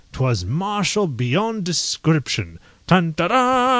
'Twas martial beyond description _tantara!